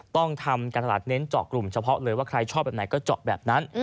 ต้องทำการตลาดเน้นเจาะกลุ่มเฉพาะเลยว่าใครชอบแบบไหนก็เจาะแบบนั้น